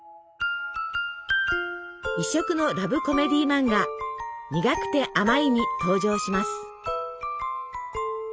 異色のラブコメディーマンガ「にがくてあまい」に登場します。